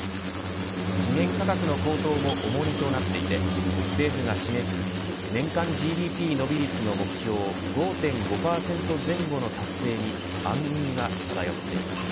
資源価格の高騰も重荷となっていて政府が示す年間ＧＤＰ伸び率の目標５．５％前後の達成に暗雲が漂っています。